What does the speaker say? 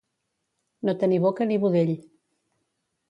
No tenir boca ni budell.